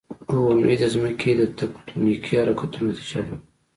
• غونډۍ د ځمکې د تکتونیکي حرکتونو نتیجه ده.